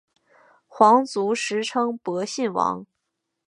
皇族时称博信王。